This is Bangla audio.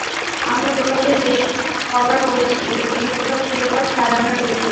আমরা প্রকাশ্যেই বেশ কবার বলেছি, একটি বিশ্বকাপ শিরোপার স্বাদ আমরা পেতে চাই।